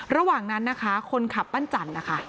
ระหว่างนั้นนะคะคนขับปั้นจันทร์นะคะ